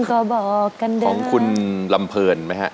ของคุณลำเพลินไหมครับ